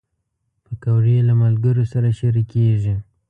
پکورې له ملګرو سره شریکېږي